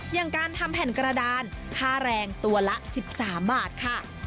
อย่างการทำแผ่นกระดานค่าแรงตัวละ๑๓บาทค่ะ